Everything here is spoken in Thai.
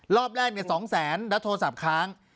รอบแรกเนี่ย๒๐๐๐๐๐แล้วโทรศัพท์ค้าง